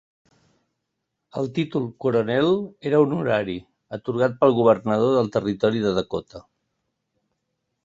El títol "coronel" era honorari, atorgat pel governador del territori de Dakota.